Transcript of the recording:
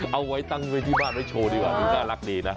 เอาไว้ตั้งไว้ที่บ้านไว้โชว์ดีกว่าดูน่ารักดีนะ